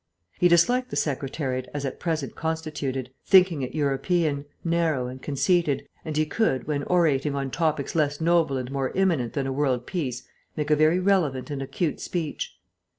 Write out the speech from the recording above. He disliked the Secretariat as at present constituted, thinking it European, narrow, and conceited, and he could, when orating on topics less noble and more imminent than a world peace, make a very relevant and acute speech.